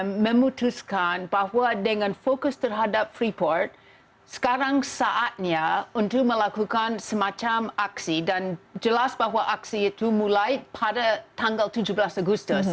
saya memutuskan bahwa dengan fokus terhadap freeport sekarang saatnya untuk melakukan semacam aksi dan jelas bahwa aksi itu mulai pada tanggal tujuh belas agustus